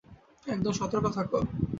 একদম সতর্ক থাক!